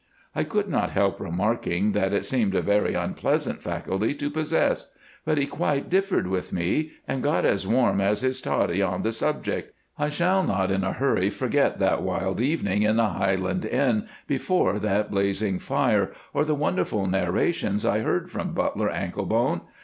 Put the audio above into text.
I could not help remarking that it seemed a very unpleasant faculty to possess, but he quite differed with me, and got as warm as his toddy on the subject. I shall not in a hurry forget that wild evening in the Highland inn before that blazing fire, or the wonderful narrations I heard from Butler Anklebone.